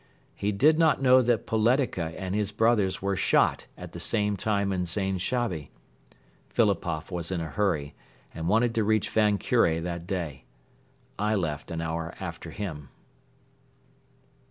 He did not know that Poletika and his brothers were shot at the same time in Zain Shabi. Philipoff was in a hurry and wanted to reach Van Kure that day. I left an hour after him.